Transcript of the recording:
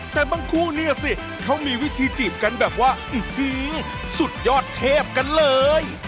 แต่บางคู่เนี่ยสิเขามีวิธีจีบกันแบบว่าสุดยอดเทพกันเลย